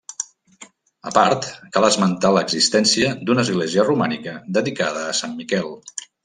A part, cal esmentar l'existència d'una església romànica dedicada a Sant Miquel.